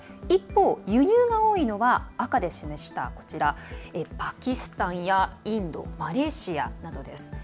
一方、輸入が多いのは赤で示したパキスタンやインドマレーシアなどです。